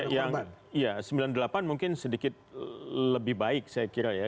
yang sembilan puluh delapan mungkin sedikit lebih baik saya kira ya